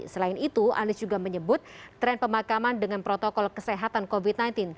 selain itu anies juga menyebut tren pemakaman dengan protokol kesehatan covid sembilan belas